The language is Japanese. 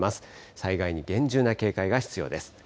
災害に厳重な警戒が必要です。